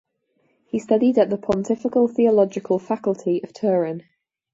He studied at the Pontifical Theological Faculty of Turin.